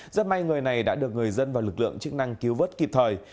rất may người này đã được người dân và lực lượng chức năng cứu vớt kịp thời